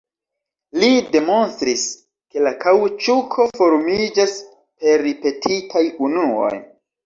Li demonstris ke la kaŭĉuko formiĝas per ripetitaj unuoj.